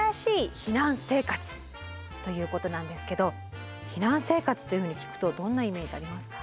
ということなんですけど避難生活というふうに聞くとどんなイメージありますか？